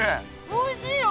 おいしいよ！